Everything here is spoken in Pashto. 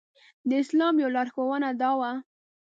د اسلام يوه لارښوونه دا ده.